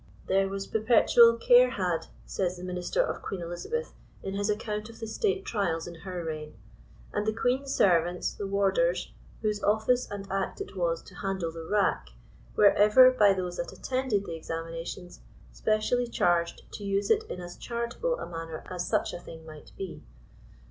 <* There was perpetual care had,*' says the min ister of Queen Elizabeth in his account of the State trials in her reign, *< and the queen's servants, the warders, whose office and act it was to handle the rack, were ever, by those that attended the ex aminations, specially charged to use it in as charitable a manner as such a thing might be."